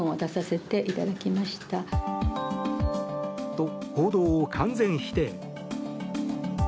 と、報道を完全否定。